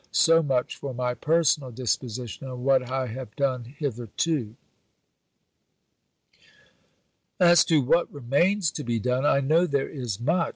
So much for my personal disposition and what I have done hitherto. As to what remains to be done, I know there is much....